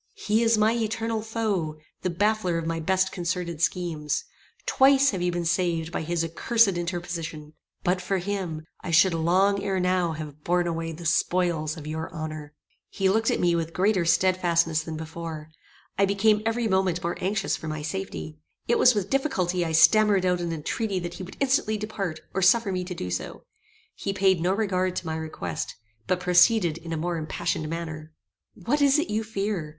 "He is my eternal foe; the baffler of my best concerted schemes. Twice have you been saved by his accursed interposition. But for him I should long ere now have borne away the spoils of your honor." He looked at me with greater stedfastness than before. I became every moment more anxious for my safety. It was with difficulty I stammered out an entreaty that he would instantly depart, or suffer me to do so. He paid no regard to my request, but proceeded in a more impassioned manner. "What is it you fear?